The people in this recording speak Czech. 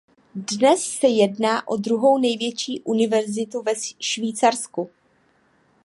Dnes se jedná o druhou největší univerzitu ve Švýcarsku.